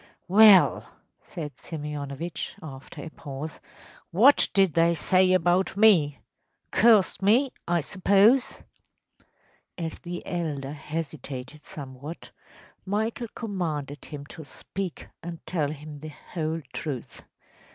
‚ÄĚ ‚ÄúWell,‚ÄĚ said Simeonovitch, after a pause, “what did they say about me? Cursed me, I suppose?‚ÄĚ As the elder hesitated somewhat, Michael commanded him to speak and tell him the whole truth.